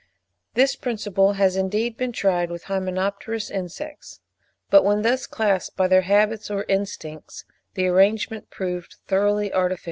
This principle has indeed been tried with hymenopterous insects; but when thus classed by their habits or instincts, the arrangement proved thoroughly artificial.